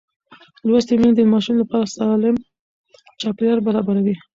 لوستې میندې د ماشوم لپاره سالم چاپېریال برابروي.